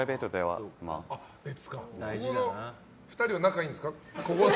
この２人は仲いいんですか？